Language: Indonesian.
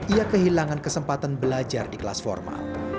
ia kehilangan kesempatan belajar di kelas formal